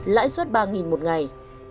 lãi suất ba một ngày